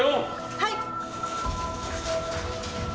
はい！